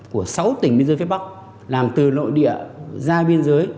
của sáu tỉnh biên giới phía bắc làm từ nội địa ra biên giới